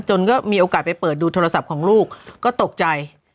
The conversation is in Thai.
ก็มีโอกาสไปเปิดดูโทรศัพท์ของลูกก็ตกใจ